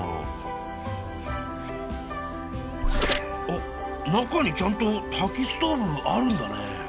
おっ中にちゃんとたきストーブあるんだね。